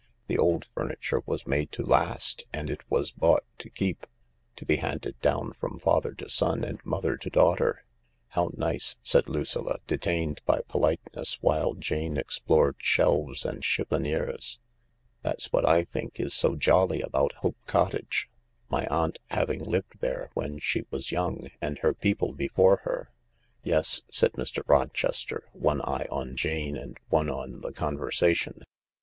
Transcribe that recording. The old furniture was made to last and it was bought to keep — to be handed down from father to son and mother to daughter." " How nice !" said Lucilla, detained by politeness while Jane explored shelves and chiffoniers. " That's what I think is so jolly about Hope Cottage — my aunt having lived there when she was young and her people before her." " Yes," said Mr. Rochester, one eye on Jane and one on the conversation.